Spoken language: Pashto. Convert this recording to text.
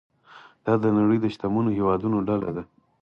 دا د نړۍ د شتمنو هیوادونو ډله ده.